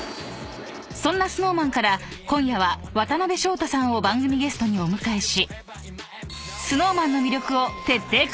［そんなＳｎｏｗＭａｎから今夜は渡辺翔太さんを番組ゲストにお迎えし］